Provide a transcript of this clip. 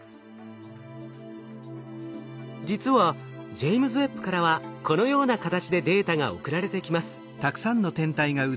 実はジェイムズ・ウェッブからはこのような形でデータが送られてきます。